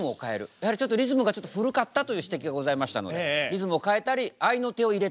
やはりちょっとリズムがちょっと古かったという指摘がございましたのでリズムを変えたりあいの手を入れたりと。